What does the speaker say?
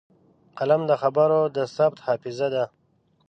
قلم د خبرو د ثبت حافظه ده